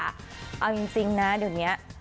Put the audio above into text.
เอาจริงนะเดี๋ยวนี้